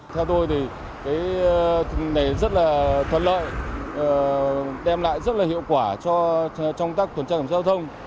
theo tôi thì cái này rất là thuận lợi đem lại rất là hiệu quả cho trong tác tuần trang giao thông